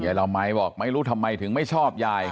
ละมัยบอกไม่รู้ทำไมถึงไม่ชอบยาย